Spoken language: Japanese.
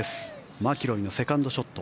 マキロイのセカンドショット。